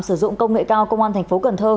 sử dụng công nghệ cao công an thành phố cần thơ